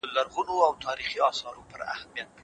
د هیواد ابادۍ ته ملا وتړئ.